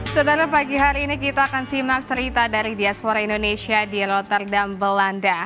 sebenarnya pagi hari ini kita akan simak cerita dari diaspora indonesia di rotterdam belanda